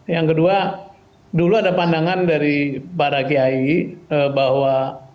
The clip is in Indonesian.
yang kedua dulu ada pandangan dari para kiai bahwa